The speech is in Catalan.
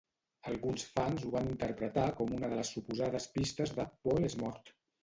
Alguns fans ho van interpretar com una de les suposades pistes de "Paul és mort".